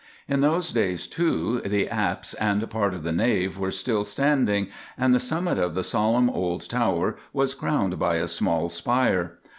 In those days, too, the apse and part of the nave were still standing, and the summit of the solemn old tower was crowned by a small spire.